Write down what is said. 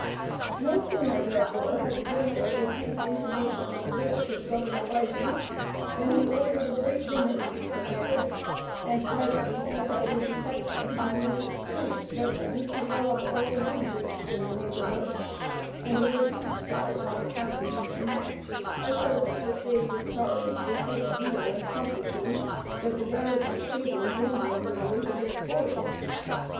No sooner, therefore, had the general received intimation of the visit of Governor Risingh, than he ordered a great dinner to be prepared, and privately sent out a detachment of his most experienced veterans to rob all the hen roosts in the neighborhood, and lay the pigstyes under contribution: a service which they discharged with such zeal and promptitude, that the garrison table groaned under the weight of their spoils.